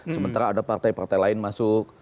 sementara ada partai partai lain masuk